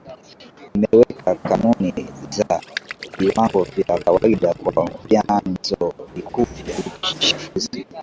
imeweka kanuni za viwango vya kawaida kwa vyanzo vikuu vya uchafuzi